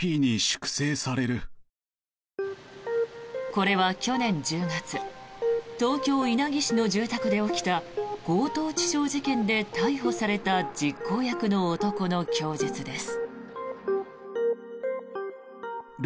これは去年１０月東京・稲城市の住宅で起きた強盗致傷事件で逮捕された実行役の男の供述です。